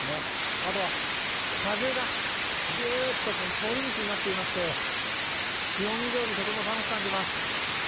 あとは風がびゅーっと通り道になっていまして気温以上にとても寒く感じます。